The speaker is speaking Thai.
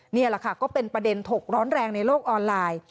นี่แหละค่ะก็เป็นประเด็นถกร้อนแรงในโลกออนไลน์